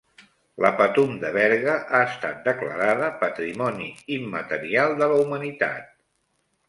La Patum de Berga ha estat declarada Patrimoni Immaterial de la Humanitat.